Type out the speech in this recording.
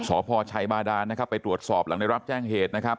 สพชัยบาดานนะครับไปตรวจสอบหลังได้รับแจ้งเหตุนะครับ